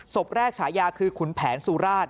ศพแรกฉายาคือขุนแผนสุราช